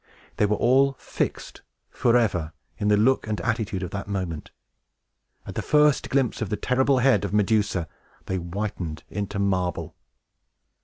They were all fixed, forever, in the look and attitude of that moment! At the first glimpse of the terrible head of Medusa, they whitened into marble!